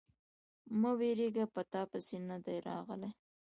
_مه وېرېږه، په تاپسې نه دي راغلی.